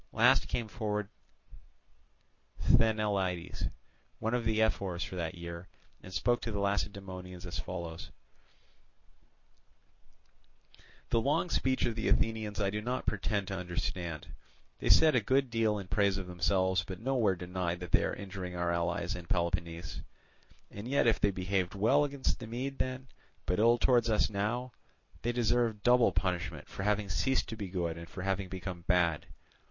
Last came forward Sthenelaidas, one of the ephors for that year, and spoke to the Lacedaemonians as follows: "The long speech of the Athenians I do not pretend to understand. They said a good deal in praise of themselves, but nowhere denied that they are injuring our allies and Peloponnese. And yet if they behaved well against the Mede then, but ill towards us now, they deserve double punishment for having ceased to be good and for having become bad.